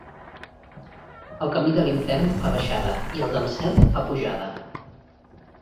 El camí de l'infern fa baixada i el del cel fa pujada.